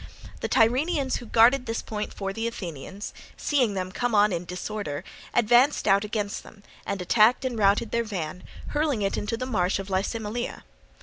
The Tyrrhenians who guarded this point for the Athenians, seeing them come on in disorder, advanced out against them and attacked and routed their van, hurling it into the marsh of Lysimeleia.